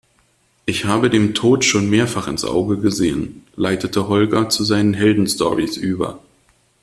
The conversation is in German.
Ich habe dem Tod schon mehrfach ins Auge gesehen, leitete Holger zu seinen Heldenstorys über.